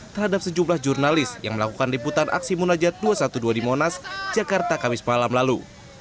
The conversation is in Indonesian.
terhadap sejumlah jurnalis yang melakukan liputan aksi munajat dua ratus dua belas di monas jakarta kamis malam lalu